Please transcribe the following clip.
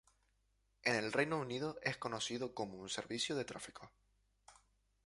En el Reino Unido es conocido como un "servicio de tráfico".